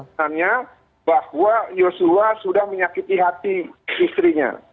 yang menurut saya bahwa yosua sudah menyakiti hati istrinya